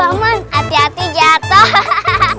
pak man hati hati jatuh